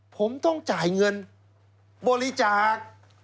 ผมต้องจ่ายเงินบริจาค